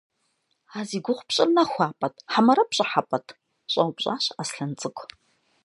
- А зи гугъу пщӏыр нэхуапӏэт хьэмэрэ пщӏыхьэпӏэт? – щӏэупщӏащ Аслъэн цӏыкӏу.